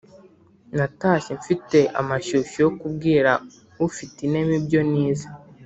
Natashye mfite amashyushyu yo kubwira Ufitinema ibyo nize.